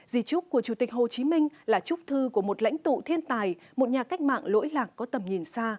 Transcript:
di trúc của chủ tịch hồ chí minh là chúc thư của một lãnh tụ thiên tài một nhà cách mạng lỗi lạc có tầm nhìn xa